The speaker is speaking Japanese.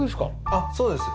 あっそうです。